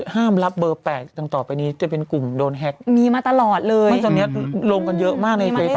ห้ามรับเบอร์แปดต่อไปนี้จะเป็นกลุ่มโดนแฮ็กมีมาตลอดเลยมันตอนเนี้ยลงกันเยอะมากในเฟสเตอร์